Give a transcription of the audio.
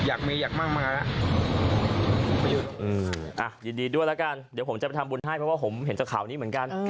อ่ะยินดีด้วยแล้วกันเดี๋ยวผมจะไปทำบุญให้เพราะว่าผมเห็นจากข่าวนี้เหมือนกัน